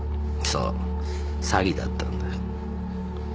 そう詐欺だったんだ。